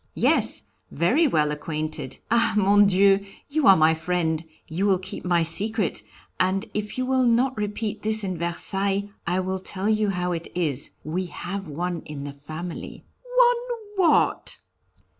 "Yes, very well acquainted. Ah! Mon Dieu! You are my friend, you will keep my secret, and if you will not repeat this in Versailles I will tell you how it is we have one in the family." "One what?"